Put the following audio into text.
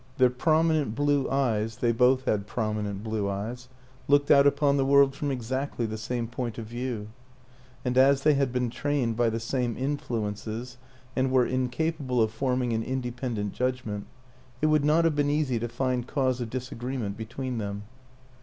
Their prominent blue eyes they both had prominent blue eyes looked out upon the world from exactly the same point of view; and as they had been trained by the same influences and were incapable of forming an independent judgment, it would not have been easy to find cause of disagreement between them.